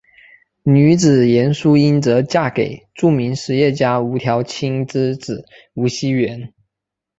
女子严淑英则嫁给著名实业家吴调卿之子吴熙元。